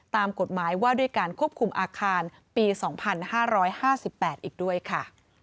ตามกฎหมายว่าด้วยการควบคุมอาคารปี๒๕๕๘อีกด้วยค่ะ